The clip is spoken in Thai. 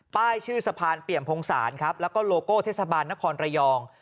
ป้ายชื่อสะพานเปี่ยมพงศาลครับแล้วก็โลโก้เทศบาลนครระยอง